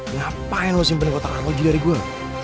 ngapain lo simpen kotak arloji dari gua